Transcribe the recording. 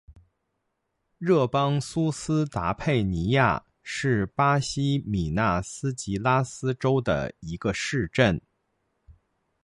邦热苏斯达佩尼亚是巴西米纳斯吉拉斯州的一个市镇。